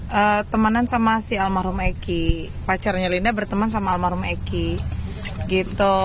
saya teman sama si almarhum eki pacarnya linda berteman sama almarhum eki gitu